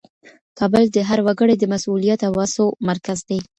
کابل د هر وګړي د مسولیت او هڅو مرکز دی.